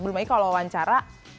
bukannya kalau wancara